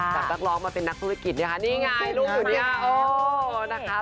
เขาด่าคล้อมาเป็นนักธุรกิจนี่ไงลูคหนุ่มนี้โอ๊วนะคะ